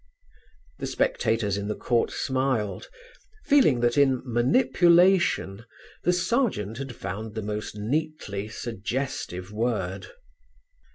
The spectators in the court smiled, feeling that in "manipulation" the Serjeant had found the most neatly suggestive word.